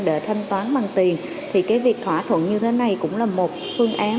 để thanh toán bằng tiền thì cái việc thỏa thuận như thế này cũng là một phương án